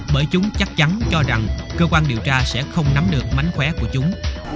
bởi chúng chắc chắn cho rằng cơ quan điều tra sẽ không nắm được mánh khóe của chúng